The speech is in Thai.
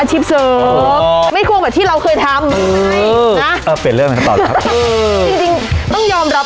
จริงจริงต้องยอมรับ